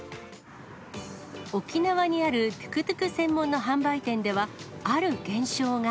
沖縄にあるトゥクトゥク専門の販売店では、ある現象が。